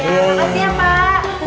makasih ya pak